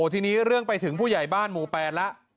ทีนี้เรื่องไปถึงผู้ใหญ่บ้านหมู่๘แล้ว